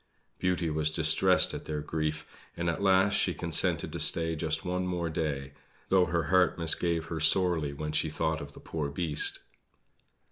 Beauty was distressed at their grief, and at last she consented to stay just one more day; though her heart misgave her sorely when she thought of the poor Beast.